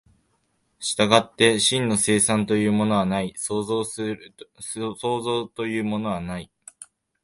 従って真の生産というものはない、創造というものはない。